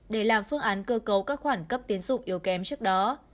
để làm phương án cơ cấu các khoản cấp tiến dụng yếu kém trước đó